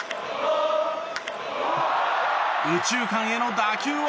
右中間への打球は。